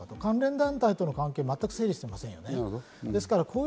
関連団体との関係を全く整理していません。